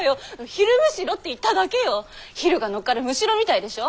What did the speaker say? ヒルが乗っかるむしろみたいでしょ？